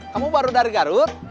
kamu baru dari garut